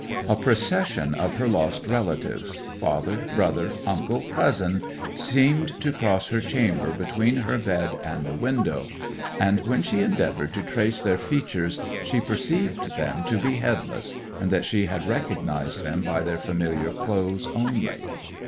A procession of her lost relatives father, brother, uncle, cousin seemed to cross her chamber between her bed and the window, and when she endeavoured to trace their features she perceived them to be headless, and that she had recognized them by their familiar clothes only.